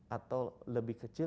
atau lebih kecil